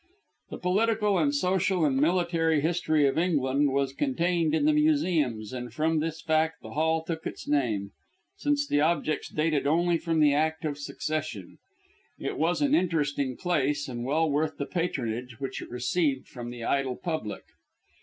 The political and social and military history of England was contained in the museums, and from this fact the hall took its name, since the objects dated only from The Act of Succession. It was an interesting place and well worth the patronage which it received from the idle public.